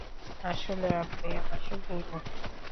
আসলে, আপনি আমার গুরু।